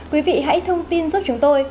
quý vị hãy thông tin giúp chúng tôi